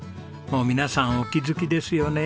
もう皆さんお気づきですよね。